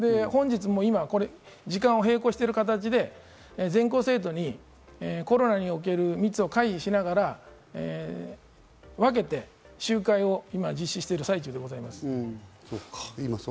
本日も今時間を並行している形で全校生徒にコロナにおける密を回避しながら分けて集会を実施している最中です。